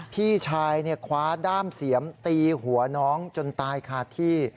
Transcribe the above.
พี่ชายคว้าด้ามเสียมตีหัวน้องจนตายคาที่